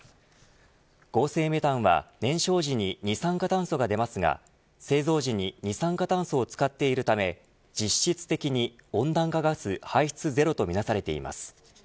合成メタンは燃焼時に二酸化炭素が出ますが製造時に二酸化炭素を使っているため実質的に温暖化ガス排出ゼロとみなされています。